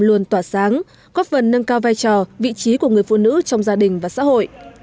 luôn tỏa sáng góp phần nâng cao vai trò vị trí của người phụ nữ trong gia đình và xã hội